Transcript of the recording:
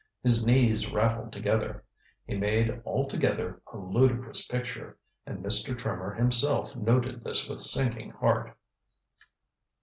His knees rattled together. He made, altogether, a ludicrous picture, and Mr. Trimmer himself noted this with sinking heart.